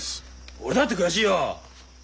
俺だって悔しいよ。